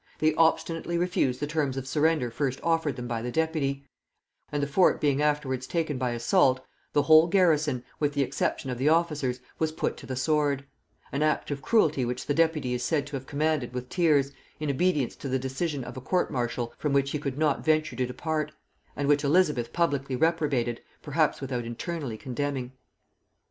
They obstinately refused the terms of surrender first offered them by the deputy; and the fort being afterwards taken by assault, the whole garrison, with the exception of the officers, was put to the sword: an act of cruelty which the deputy is said to have commanded with tears, in obedience to the decision of a court martial from which he could not venture to depart; and which Elizabeth publicly reprobated, perhaps without internally condemning.